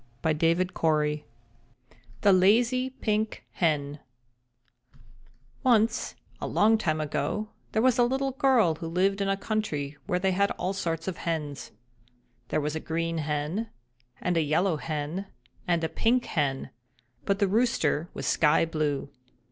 THE LAZY PINK HEN Once, a long time ago, there was a little girl who lived in a country where they had all sorts of hens. There was a Green Hen and a Yellow Hen and a Pink Hen; but the Rooster was Sky Blue.